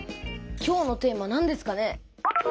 今日のテーマなんですかね。